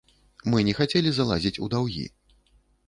Мы не хацелі залазіць у даўгі.